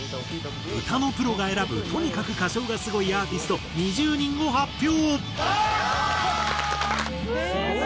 歌のプロが選ぶとにかく歌唱がスゴいアーティスト２０人を発表！